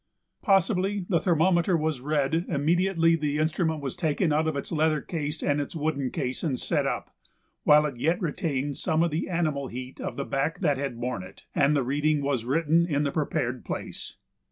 Possibly the thermometer was read immediately the instrument was taken out of its leather case and its wooden case and set up, while it yet retained some of the animal heat of the back that had borne it, and the reading was written in the prepared place.